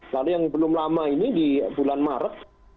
lalu yang belum lama ini di bulan maret